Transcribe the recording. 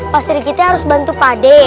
pasri kiti harus bantu pade